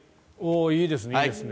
いいですね、いいですね。